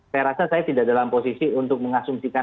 saya rasa saya tidak dalam posisi untuk mengasumsikan